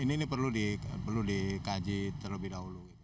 ini perlu dikaji terlebih dahulu